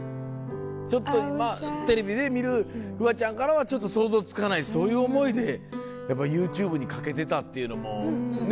ちょっと今テレビで見るフワちゃんからはちょっと想像つかないそういう思いでやっぱＹｏｕＴｕｂｅに懸けてたっていうのもねぇ。